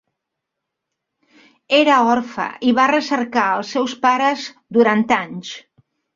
Era orfe i va recercar els seus pares durant anys.